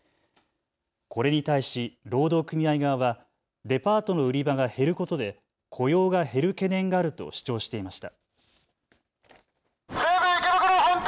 これに対し労働組合側はデパートの売り場が減ることで雇用が減る懸念があると主張していました。